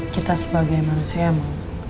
kita sebagai manusia emang